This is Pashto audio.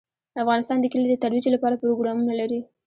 افغانستان د کلي د ترویج لپاره پروګرامونه لري.